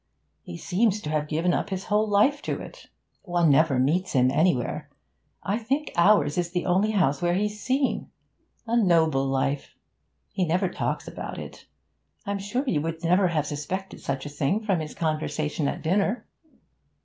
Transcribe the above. He seems to have given up his whole life to it. One never meets him anywhere; I think ours is the only house where he's seen. A noble life! He never talks about it. I'm sure you would never have suspected such a thing from his conversation at dinner?'